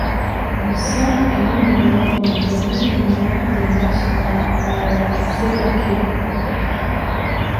Ils sont éliminés en demi-finale des nationales par Seigaku.